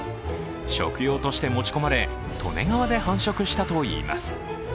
食用として持ち込まれ、利根川で繁殖したといいます。